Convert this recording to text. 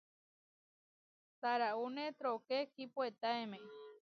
Taraúne trooké kipuetáeme.